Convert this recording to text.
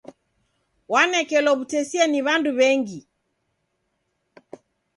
Wanekelo w'utesia ni w'andu w'engi.